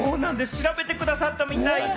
調べてくださったみたいで。